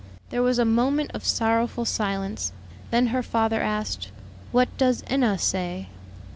There was a moment of sorrowful silence. Then her father asked, "What does Enna say?"